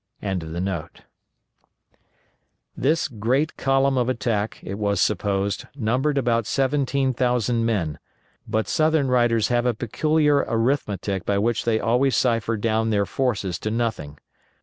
"] This great column of attack, it was supposed, numbered about seventeen thousand men, but southern writers have a peculiar arithmetic by which they always cipher down their forces to nothing.